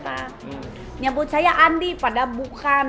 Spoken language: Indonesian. yang nyebut saya andi padahal bukan